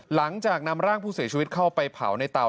หลังจากนำร่างผู้เสียชีวิตเข้าไปเผาในเตา